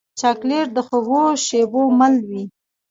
چاکلېټ د خوږو شېبو مل وي.